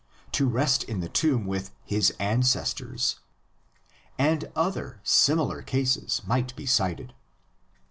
to rest in the tomb with his ancestors; and other similar cases might be cited.